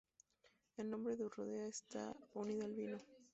El nombre de Rueda está unido al vino.